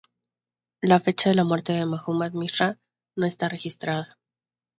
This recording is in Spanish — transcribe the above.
La fecha de la muerte de Muhammad Mirza no esta registrada.